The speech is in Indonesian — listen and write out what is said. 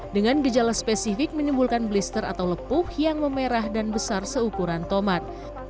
dengan gejala spesifik menimbulkan blister atau lepuh yang memerah dan besar seukuran tomat